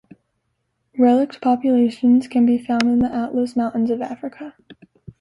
Relict populations can be found in the Atlas Mountains of Africa.